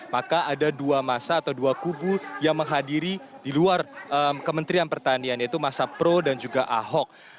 maka ada dua masa atau dua kubu yang menghadiri di luar kementerian pertanian yaitu masa pro dan juga ahok